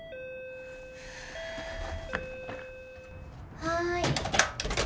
・はい。